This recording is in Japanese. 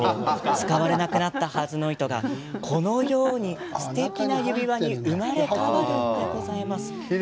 使われなくなったはずの糸がこのようにすてきな指輪に生まれ変わるんでございます。